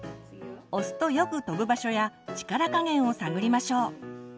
押すとよく飛ぶ場所や力加減を探りましょう。